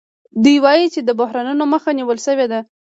دوی وايي چې د بحرانونو مخه نیول شوې ده